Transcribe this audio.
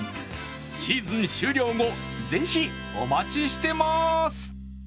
シーズン終了後、ぜひお待ちしてます。